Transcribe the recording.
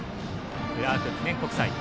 クラーク記念国際。